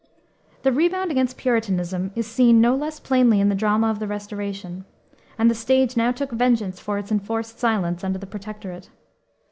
The rebound against Puritanism is seen no less plainly in the drama of the Restoration, and the stage now took vengeance for its enforced silence under the Protectorate.